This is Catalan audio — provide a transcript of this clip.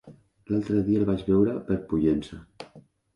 L'altre dia el vaig veure per Pollença.